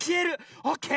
オーケー。